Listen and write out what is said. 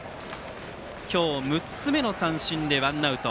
今日６つ目の三振でワンアウト。